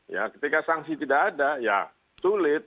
ya ketika sanksi tidak ada ya sulit